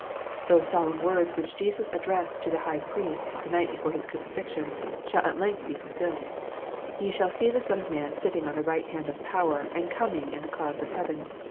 Those solemn words which Jesus addressed to the High Priest the night before His crucifixion shall at length be fulfilled : "Ye shall see the Son of man sitting on the right hand of power, and coming in the clouds of heaven."